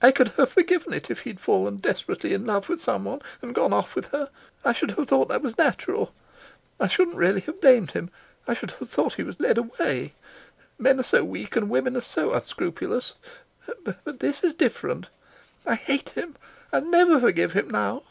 "I could have forgiven it if he'd fallen desperately in love with someone and gone off with her. I should have thought that natural. I shouldn't really have blamed him. I should have thought he was led away. Men are so weak, and women are so unscrupulous. But this is different. I hate him. I'll never forgive him now."